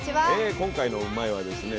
今回の「うまいッ！」はですね